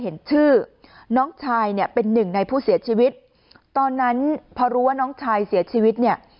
เห็นชื่อน้องชายเนี่ยเป็นหนึ่งในผู้เสียชีวิตตอนนั้นพอรู้ว่าน้องชายเสียชีวิตเนี่ย